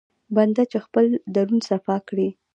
بنده چې خپل درون صفا کړي.